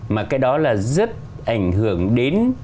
mà cái đó là rất ảnh hưởng đến